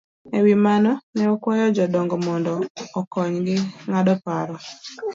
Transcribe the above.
E wi mano, ne okwayo jodongo mondo okonygi ng'ado paro